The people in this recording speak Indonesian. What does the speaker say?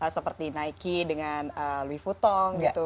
seperti nike dengan louis vuitton gitu